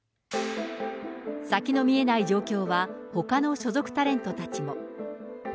先の見えない状況はほかの所属タレントたちも。